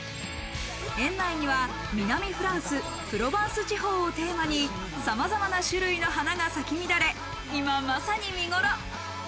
園内には南フランス・プロヴァンス地方をテーマにさまざまな種類の花が咲き乱れ、今まさに見頃。